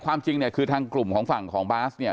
จริงเนี่ยคือทางกลุ่มของฝั่งของบาสเนี่ย